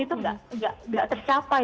itu nggak tercapai